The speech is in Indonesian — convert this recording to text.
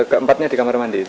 keempatnya di kamar mandi